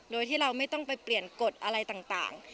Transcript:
โดยที่เราไม่ต้องไปเปลี่ยนกฎอะไรต่าง